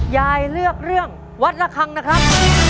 ยายเลือกเรื่องวัดระคังนะครับ